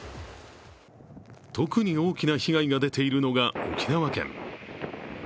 特に大きな被害が出ているのが沖縄県。